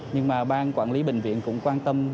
nhưng mà bang quản lý bệnh viện cũng quan tâm